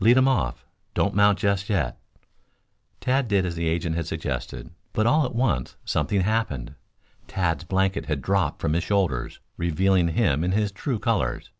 "Lead him off. Don't mount just yet." Tad did as the agent had suggested. But all at once something happened. Tad's blanket had dropped from his shoulders, revealing him in his true colors.